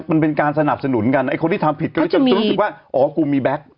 มันเป็นการสนับสนุนกันไอ้คนที่ทำผิดก็เลยรู้สึกว่าอ๋อกูมีแบ็ค